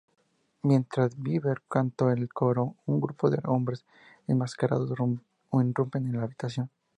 Mientras Bieber canta el coro, un grupo de hombres enmascarados irrumpen en la habitación.